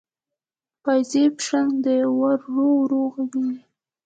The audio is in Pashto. د پایزیب شرنګ دی ورو ورو ږغیږې